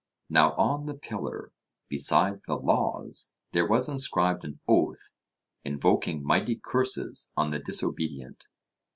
Now on the pillar, besides the laws, there was inscribed an oath invoking mighty curses on the disobedient.